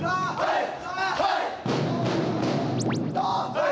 はい！